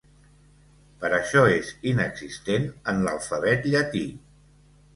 Per això és inexistent en l'alfabet llatí.